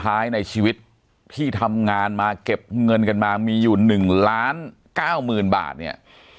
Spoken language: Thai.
ท้ายในชีวิตที่ทำงานมาเก็บเงินกันมามีอยู่๑ล้านเก้าหมื่นบาทเนี่ย